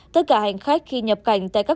tất cả hành khách khi nhập cảnh tại các